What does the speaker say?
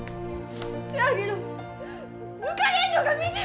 せやけど抜かれんのがみじめやねん！